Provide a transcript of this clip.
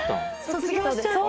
卒業しちゃって。